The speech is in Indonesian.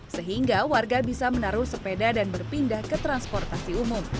sehingga warga bisa menaruh sepeda dan berpindah ke transportasi umum